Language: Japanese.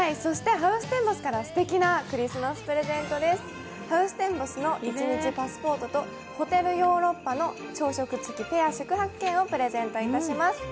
ハウステンボスの一日パスポートとホテルヨーロッパの朝食付きペア宿泊券をプレゼントします。